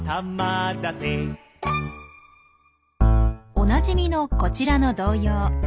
おなじみのこちらの童謡。